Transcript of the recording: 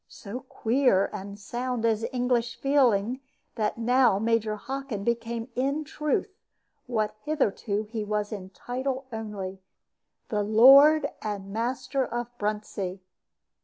So queer and sound is English feeling that now Major Hockin became in truth what hitherto he was in title only the lord and master of Bruntsea.